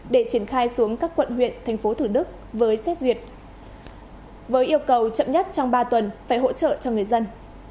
để triển khai xuống các quận huyện tp hcm với xét duyệt với yêu cầu chậm nhất trong ba tuần phải hỗ trợ cho người dân